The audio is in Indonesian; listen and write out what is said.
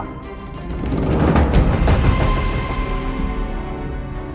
ketika andien tidak ada di situ